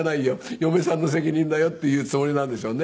嫁さんの責任だよって言うつもりなんでしょうね。